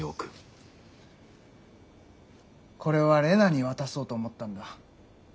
これはレナに渡そうと思ったんだ。